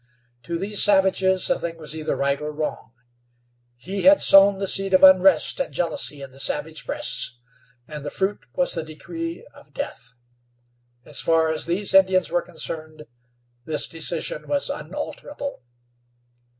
To these savages a thing was either right or wrong. He had sown the seed of unrest and jealousy in the savage breasts, and the fruit was the decree of death. As far as these Indians were concerned, this decision was unalterable.